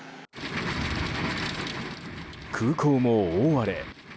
空港も大荒れ。